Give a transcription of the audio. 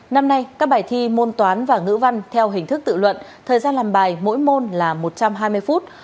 năm nay các bài thi môn toán và ngữ văn theo hình thức tự luận thời gian làm bài mỗi môn là một trăm hai mươi phút